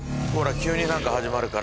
急に何か始まるから。